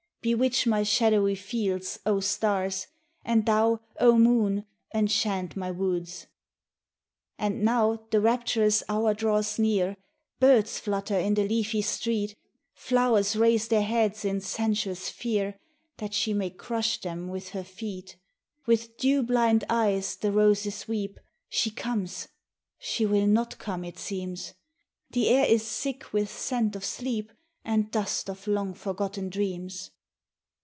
Bewitch my shadowy fields, oh stars, And thou, oh moon, enchant my woods ! And now the rapturous hour draws near, Birds flutter in the leafy street, Flowers raise their heads in sensuous fear That she may crush them with her feet. With dew blind eyes the roses weep, She comes she will not come it seems; The air is sick with scent of sleep And dust of long forgotten dreams.